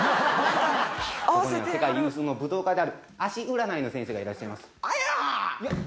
「ここに世界有数の武闘家である足占いの先生がいらっしゃいます」「アイヤーッ！」